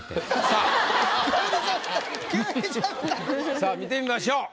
さあ見てみましょう。